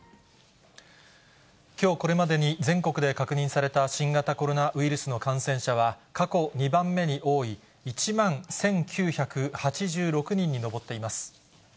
きょうこれまでに全国で確認された新型コロナウイルスの感染者は、過去２番目に多い１万１９８６人に上っています。